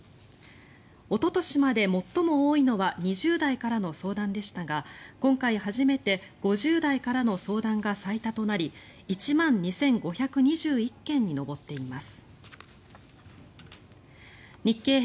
おととしまで最も多いのは２０代からの相談でしたが今回初めて５０代からの相談が最多となり１万２５２１件に上っています。